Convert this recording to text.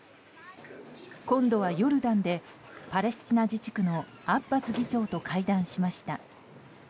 今度はヨルダンでパレスチナ自治区のアッバス議長と会談しました。